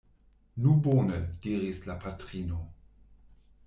Nu bone! diris la patrino.